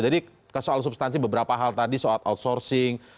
jadi soal substansi beberapa hal tadi soal outsourcing